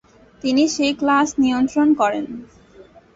তিনি সেই ক্লাস নিয়ন্ত্রণ করেন।